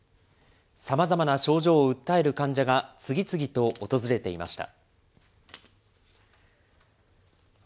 さまざまな症状を訴える患者が次々と訪れていました。